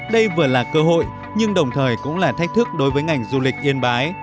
đây vừa là cơ hội nhưng đồng thời cũng là thách thức đối với ngành du lịch yên bái